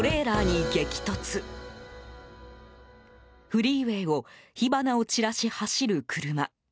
フリーウェーを火花を散らし走る車。